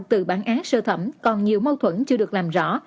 từ bản án sơ thẩm còn nhiều mâu thuẫn chưa được làm rõ